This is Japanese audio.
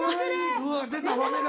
うわ出た豆隠れ。